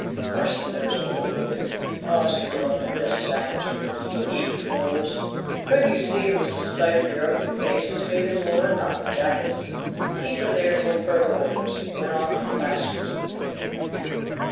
"Parson knows more than we do." Hawes interrupted this savagely. "Ye fools! couldn't you see it was the sight of your ugly faces made him roar, not the jacket? Keep him there till further orders;" and he went off to plaster his wounded hand.